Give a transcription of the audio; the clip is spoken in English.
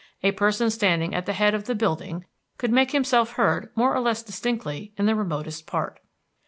A person standing at the head of the building could make himself heard more or less distinctly in the remotest part.